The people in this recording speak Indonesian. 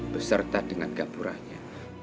beserta dengan gapuranya